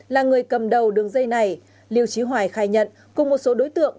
là người cầm đầu đường dây này liêu trí hoài khai nhận cùng một số đối tượng